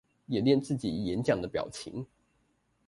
演練自己演講的表情